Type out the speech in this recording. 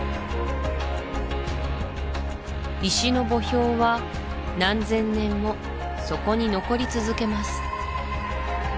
石の墓標は何千年もそこに残り続けます